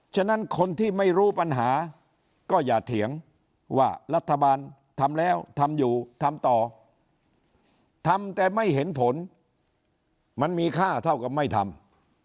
ฉะนั้นคนที่ไม่รู้ปัญหาก็อย่าเถียงว่ารัฐบาลทำแล้วทำอยู่ทำต่อทำแต่ไม่เห็นผลมันมีค่าเท่ากับไม่ทำ